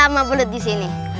sama belut disini